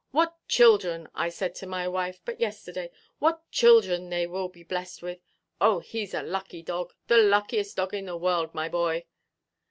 'What children,' I said to my wife, but yesterday, 'what children they will be blest with!' Oh, heʼs a lucky dog. The luckiest dog in the world, my boy."